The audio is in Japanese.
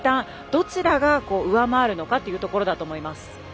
どちらが、上回るのかというところだと思います。